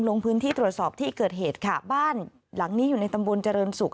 ลงพื้นที่ตรวจสอบที่เกิดเหตุค่ะบ้านหลังนี้อยู่ในตำบลเจริญศุกร์